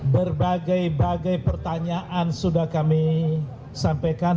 berbagai bagai pertanyaan sudah kami sampaikan